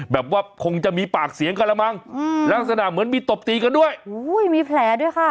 แบบว่าคงจะมีปากเสียงกันแล้วมั้งอืมลักษณะเหมือนมีตบตีกันด้วยอุ้ยมีแผลด้วยค่ะ